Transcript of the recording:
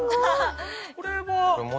これは。